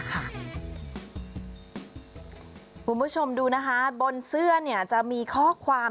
คุณผู้ชมดูนะคะบนเสื้อจะมีข้อความ